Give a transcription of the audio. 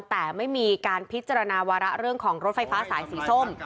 แต่ไม่มีการพิจารณาวาระเรื่องของรถไฟฟ้าสายสีส้ม